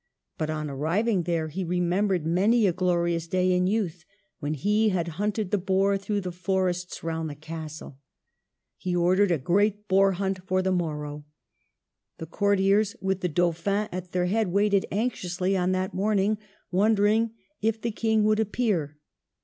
But on arriving there he remembered many a glorious day in youth, when he had hunted the boar through the forests round the castle. He ordered a great boar hunt for the morrow. The courtiers, with the Dauphin at their head, waited anxiously on that morning, wondering if the King would appear.